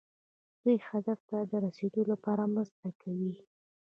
دوی هدف ته د رسیدو لپاره مرسته کوي.